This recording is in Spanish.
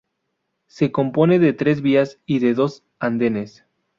Se compone de tres vías y de dos andenes.